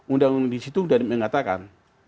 undang undang disitu sudah mengatakan